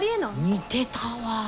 似てたわ！